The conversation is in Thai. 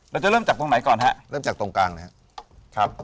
เราจะเริ่มจากตรงไหนก่อนฮะเริ่มจากตรงกลางนะครับ